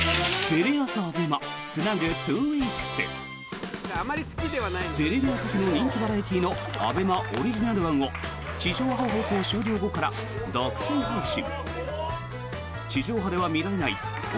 テレビ朝日の人気バラエティーのＡＢＥＭＡオリジナル版を地上波放送終了後から独占配信。